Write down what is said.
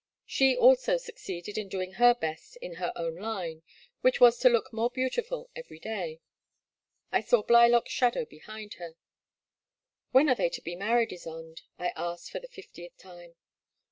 She also succeeded in doing her best in her own line, which was to look more beautiful every day. I saw Blylock*s shadow behind her. *' When are they to be married, Ysonde ?'* I asked for the fiftieth time.